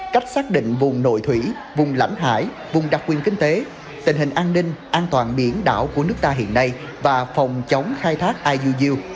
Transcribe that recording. cách xác định vùng nội thủy vùng lãnh hải vùng đặc quyền kinh tế tình hình an ninh an toàn biển đảo của nước ta hiện nay và phòng chống khai thác iuu